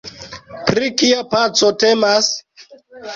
Pri kia paco temas?